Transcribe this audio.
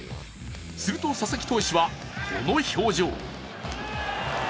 すると佐々木投手は、この表情。